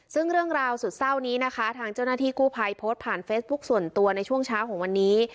ซึ่งเรื่องราวสุดเศร้านี้นะคะทางเจ้าหน้าที่กู้ภัยโพสต์ผ่านเฟซบุ๊คส่วนตัวในช่วงเช้าของวันนี้